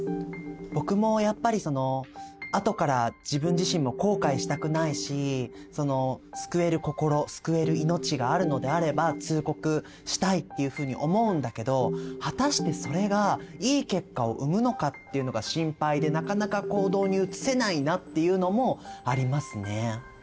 僕もやっぱりそのあとから自分自身も後悔したくないし救える心救える命があるのであれば通告したいっていうふうに思うんだけど果たしてそれがいい結果を生むのかっていうのが心配でなかなか行動に移せないなっていうのもありますね。